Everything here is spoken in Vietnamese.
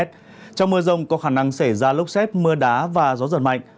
trong mưa rông có khả năng xảy ra lốc xét mưa đá và gió giật mạnh